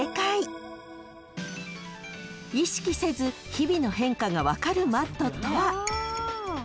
［意識せず日々の変化が分かるマットとは］